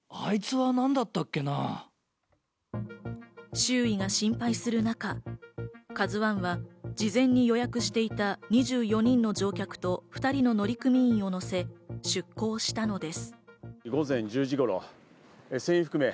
周囲が心配する中、「ＫＡＺＵ１」は事前に予約していた２４人の乗客と、２人の乗組員を乗せ、出港したのです。